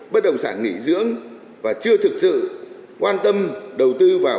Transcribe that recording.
bất đồng sản nghỉ dưỡng và chưa thực sự quan tâm đầu tư vào